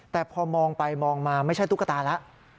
แต่พอมองไปครับที่คือไม่ใช่ตุ๊กตาแล้ว